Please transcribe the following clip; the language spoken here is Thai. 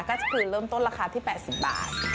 ก็คือเริ่มต้นราคาที่๘๐บาท